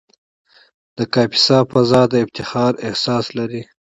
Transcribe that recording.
د کاپیسا فضا د افتخار احساس لري.